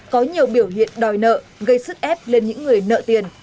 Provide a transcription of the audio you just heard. có nhiều biểu hiện đòi nợ gây sức ép lên những người nợ tiền